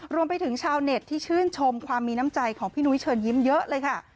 รวมไปถึงชาวเน็ตที่ชื่นชมความมีน้ำใจของพี่นุ้ยเชิญยิ้มเยอะเลยค่ะ